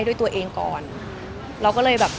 ด้วยตัวเองก่อนเราก็เลยแบบ